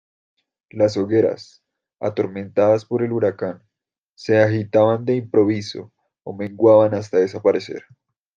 las hogueras, atormentadas por el huracán , se agitaban de improviso ó menguaban hasta desaparecer.